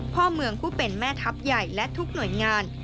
พ่อเมืองผู้เป็นแม่ทัพใหญ่และทุกหน่วยงาน